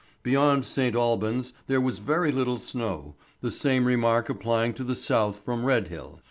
Beyond St. Albans there was very little snow, the same remark applying to the South from Redhill.